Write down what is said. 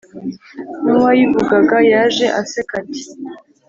N’uwayivugaga yaje aseka ati